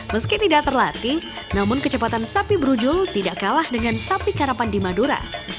meski tidak terlatih namun kecepatan sapi brujul tidak kalah dengan sapi karapan di madura